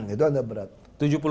itu agak berat